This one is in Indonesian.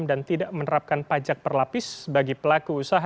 dan tidak menerapkan pajak perlapis bagi pelaku usaha